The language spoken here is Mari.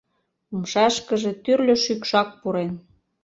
Умшашкыже тӱрлӧ шӱкшак пурен.